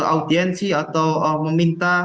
audiensi atau meminta